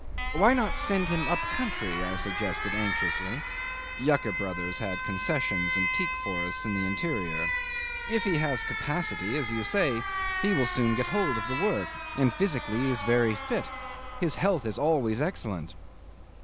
"Why not send him up country?" I suggested anxiously. (Yucker Brothers had concessions and teak forests in the interior.) "If he has capacity, as you say, he will soon get hold of the work. And physically he is very fit. His health is always excellent."